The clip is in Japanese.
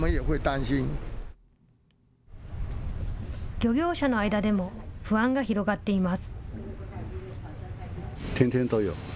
漁業者の間でも不安が広がっています。